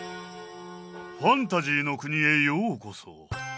ファンタジーの国へようこそ！